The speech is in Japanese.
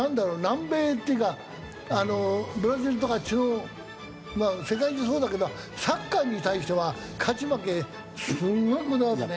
南米っていうかブラジルとかまあ世界中そうだけどサッカーに対しては勝ち負けすごいこだわるね。